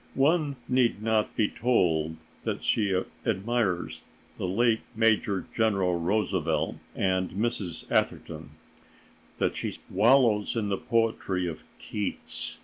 One need not be told that she admires the late Major General Roosevelt and Mrs. Atherton, that she wallows in the poetry of Keats.